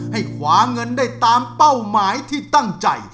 ให้คว้าเงินได้ตามเป้าหมายที่ตั้งใจ